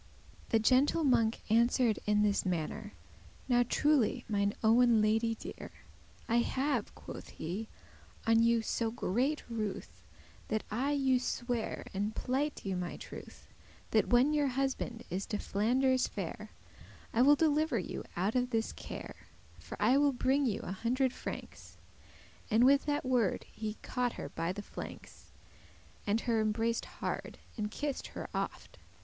This gentle monk answer'd in this mannere; "Now truely, mine owen lady dear, I have," quoth he, "on you so greate ruth,* *pity That I you swear, and plighte you my truth, That when your husband is to Flanders fare,* *gone I will deliver you out of this care, For I will bringe you a hundred francs." And with that word he caught her by the flanks, And her embraced hard, and kissed her oft.